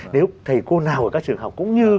nếu thầy cô nào ở các trường học cũng như